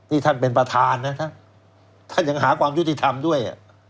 นี่ท่านเป็นประธานนะท่านยังหาความยุติธรรมด้วย